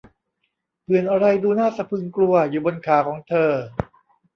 ผื่นอะไรดูน่าสะพรึงกลัวอยู่บนขาของเธอ !